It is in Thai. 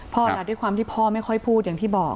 ด้วยความที่พ่อไม่ค่อยพูดอย่างที่บอก